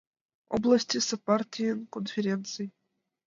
ОБЛАСТЬЫСЕ ПАРТИЙНЫЙ КОНФЕРЕНЦИЙ